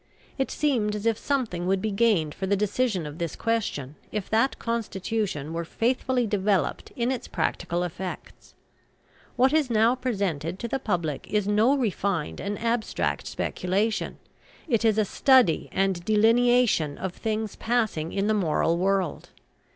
It seemed as if something would be gained for the decision of this question if that constitution were faithfully developed in its practical effects. What is now presented to the public is no refined and abstract speculation; it is a study and delineation of things passing in the moral world.